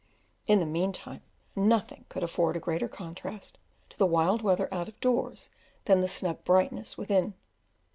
In the meantime, nothing could afford a greater contrast to the wild weather out of doors than the snug brightness within.